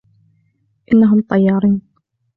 انهم الطيارين.